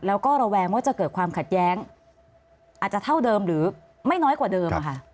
แล้วก็ระแวงว่าจะเกิดความขัดแย้งอาจจะเท่าเดิมหรือไม่น้อยกว่าเดิมค่ะ